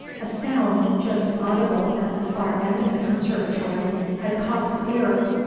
A sound, just audible at the far end of the conservatory, had caught her ear.